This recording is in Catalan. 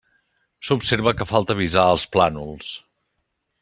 S'observa que falta visar els plànols.